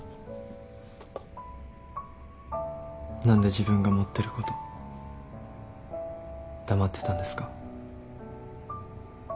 何で自分が持ってること黙ってたんですか？